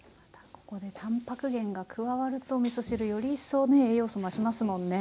ここでたんぱく源が加わるとみそ汁よりいっそうね栄養素増しますもんね。